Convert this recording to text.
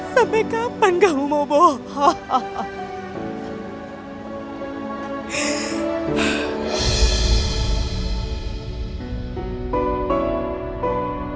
sampai kapan kamu mau bohong